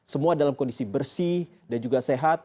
semua dalam kondisi bersih dan juga sehat